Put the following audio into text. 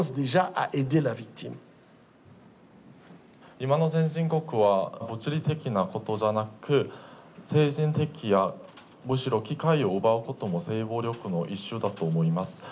今の先進国は物理的なことじゃなく精神的なむしろ機会を奪うことも性暴力の一種だと思います。